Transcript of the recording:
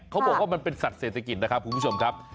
เขาบอกว่ามันเป็นสัตว์เศรษฐกิจนะครับคุณผู้ชมครับ